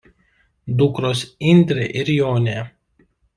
Dukros Indrė ir Jonė.